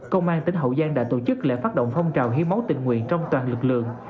công an tỉnh hậu giang đã tổ chức lễ phát động phong trào hiến máu tình nguyện trong toàn lực lượng